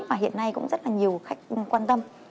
và hiện nay cũng rất là nhiều khách quan tâm